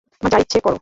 তোমার যা ইচ্ছে কর!